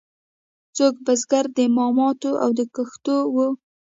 څوک بزګر د مامتو او د کښتو وو.